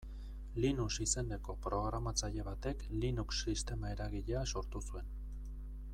Linus izeneko programatzaile batek Linux sistema eragilea sortu zuen.